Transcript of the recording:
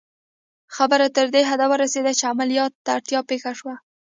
خبره تر دې حده ورسېده چې عملیات ته اړتیا پېښه شوه